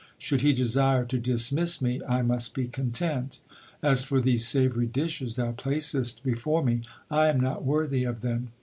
Should he desire to dismiss me, I must be content. As for these savoury dishes thou placest before me, I am not worthy of them.